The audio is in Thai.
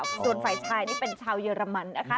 ส่วนฟัยชายเป็นชาวเยอรมันนะคะ